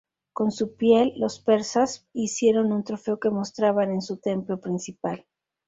Con su piel los persas hicieron un trofeo que mostraban en su templo principal.